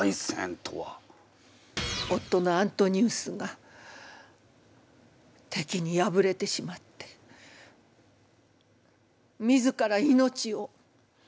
夫のアントニウスがてきに敗れてしまって自ら命を。